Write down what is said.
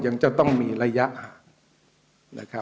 ยังจะต้องมีระยะห่าง